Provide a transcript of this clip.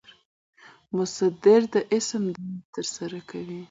مصدر د اسم دنده ترسره کوي.